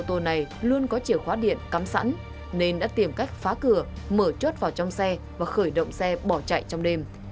xe này luôn có chìa khóa điện cắm sẵn nên đã tìm cách phá cửa mở chốt vào trong xe và khởi động xe bỏ chạy trong đêm